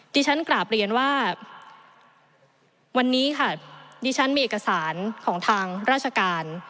ที่ฉันกราบเรียนว่าวันนี้ค่ะดิฉันมีเอกสารของทางราชการ